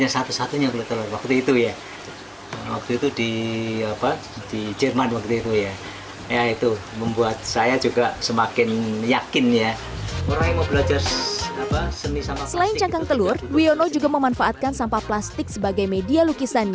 selain cangkang telur wiono juga memanfaatkan sampah plastik sebagai media lukisan